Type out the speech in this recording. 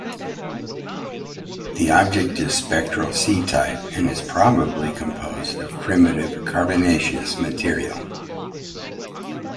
This object is spectral C-type and is probably composed of primitive carbonaceous material.